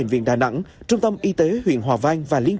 cho các nạn nhân bị thương nhẹ sau vụ tai nạn